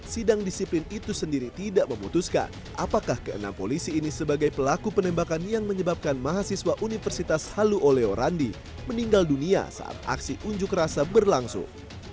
sidang disiplin itu sendiri tidak memutuskan apakah keenam polisi ini sebagai pelaku penembakan yang menyebabkan mahasiswa universitas halu oleo randi meninggal dunia saat aksi unjuk rasa berlangsung